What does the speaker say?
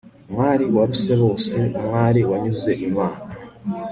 mwari waruse bose, mwari wanyuze imana